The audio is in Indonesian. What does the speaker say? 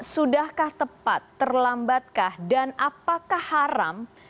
sudahkah tepat terlambatkah dan apakah haram